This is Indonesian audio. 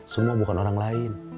semua bukan orang lain